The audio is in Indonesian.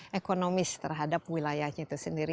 akses ya ekonomis terhadap wilayahnya itu sendiri